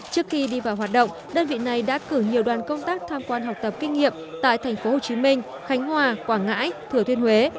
trước khi đi vào hoạt động đơn vị này đã cử nhiều đoàn công tác tham quan học tập kinh nghiệm tại tp hcm khánh hòa quảng ngãi thừa thiên huế